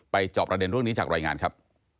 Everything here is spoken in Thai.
จอบประเด็นเรื่องนี้จากรายงานครับ